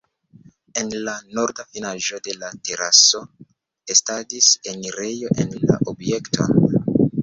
En la norda finaĵo de la teraso estadis enirejo en la objekton.